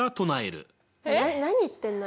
何言ってんの？